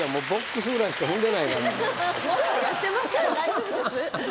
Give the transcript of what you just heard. もっとやってますから大丈夫です